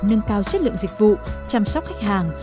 nâng cao chất lượng dịch vụ chăm sóc khách hàng